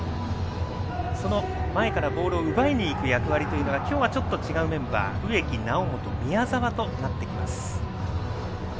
その前からボールを奪いにいく役割は今日はちょっと違うメンバーで植木、猶本、宮澤になります。